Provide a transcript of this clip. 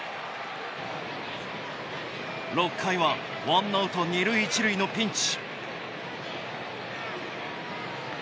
６回はワンナウト二塁一塁のピンチ。